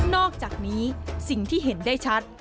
อกจากนี้สิ่งที่เห็นได้ชัด